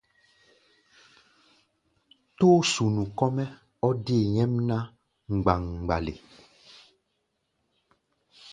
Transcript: Tóó-sunu kɔ́-mɛ́ ɔ́ dée nyɛ́mná mgbaŋɓale.